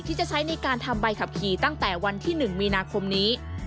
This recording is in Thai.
ที่จะใช้ในการทำใบขับขี่ตั้งแต่วันที่๑มีนาคมนี้